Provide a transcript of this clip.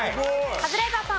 カズレーザーさん。